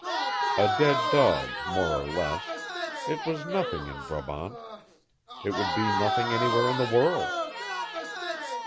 A dead dog more or less it was nothing in Brabant: it would be nothing anywhere in the world.